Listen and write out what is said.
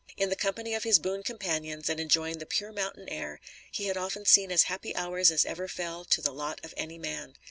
In the company of his boon companions and enjoying the pure mountain air, he had often seen as happy hours as ever fell to the lot of any man.